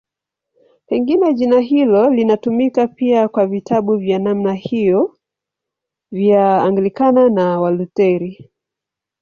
Pengine jina hilo linatumika pia kwa vitabu vya namna hiyo vya Anglikana na Walutheri.